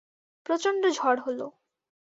প্রচণ্ড ঝড় হল।